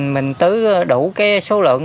mình tứ đủ số lượng